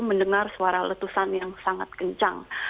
mendengar suara letusan yang sangat kencang